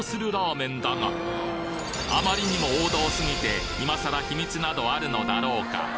あまりにも王道すぎて今さら秘密などあるのだろうか！？